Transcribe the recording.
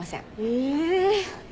え！